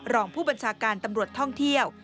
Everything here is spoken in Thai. รองผู้บัญชาการตำรวจท่องเที่ยว